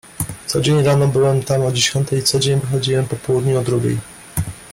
"Codzień rano byłem tam o dziesiątej i codzień wychodziłem popołudniu o drugiej."